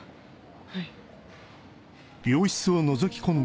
はい。